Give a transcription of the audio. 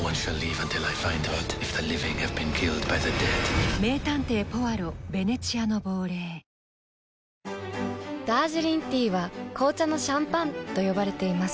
俺がこの役だったのにダージリンティーは紅茶のシャンパンと呼ばれています。